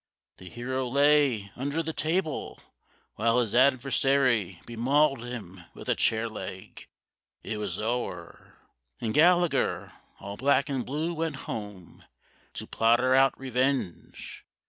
the hero lay Under the table, while his adversary Bemauled him with a chair leg. It was o'er, And Gallagher, all black and blue, went home To plotter out revenge.